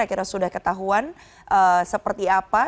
akhirnya sudah ketahuan seperti apa